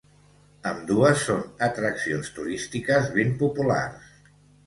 Ambdues són atraccions turístiques ben populars.